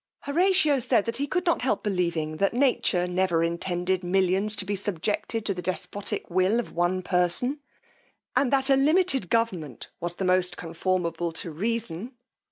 Horatio said, that he could not help believing that nature never intended millions to be subjected to the despotic will of one person, and that a limited government was the most conformable to reason.